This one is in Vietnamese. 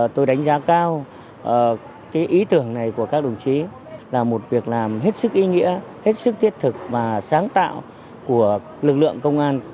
tôi đánh giá cao ý tưởng này của các đồng chí là một việc làm hết sức ý nghĩa hết sức thiết thực và sáng tạo của lực lượng công an